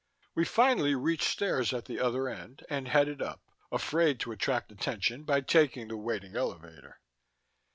We finally reached stairs at the other end and headed up, afraid to attract attention by taking the waiting elevator.